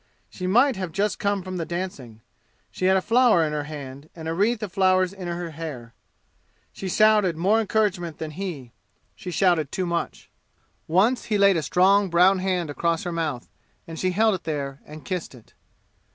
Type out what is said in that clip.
She might have just come from the dancing. She had a flower in her hand, and a wreath of flowers in her hair. She shouted more encouragement than he. She shouted too much. Once he laid a strong brown hand across her mouth, and she held it there and kissed it.